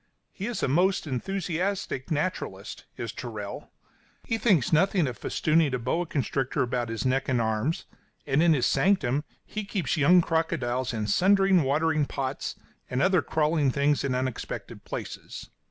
He is a most enthusiastic naturalist, is Tyrrell. He thinks nothing of festooning a boa constrictor about his neck and arms, and in his sanctum he keeps young crocodiles in sundry watering pots, and other crawling things in unexpected places.